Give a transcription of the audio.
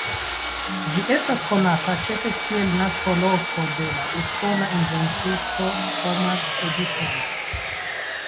Ĝi estas konata ĉefe kiel naskoloko de la usona inventisto Thomas Edison.